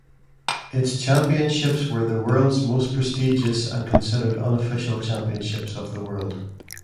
Its championships were the world's most prestigious and considered unofficial championships of the world.